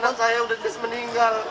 anak saya udah just meninggal